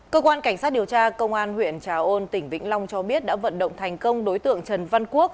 cơ quan cảnh sát điều tra công an huyện trà ôn tỉnh vĩnh long cho biết đã vận động thành công đối tượng trần văn quốc